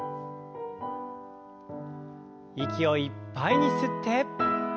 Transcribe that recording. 息をいっぱいに吸って。